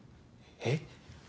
えっ？